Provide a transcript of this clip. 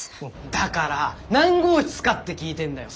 だから何号室かって聞いてんだよ。